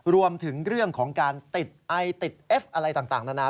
รวมถึงเรื่องของการติดไอติดเอฟอะไรต่างนานา